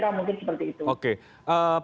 mungkin seperti itu